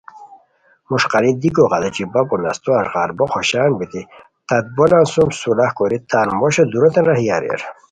مݰقاری دیکو غیڑوچی بپو نستو اݱغال بو خوشان بیتی تت بولان سُم صلح کوری تان موشو دُوروتین راہی ہوئے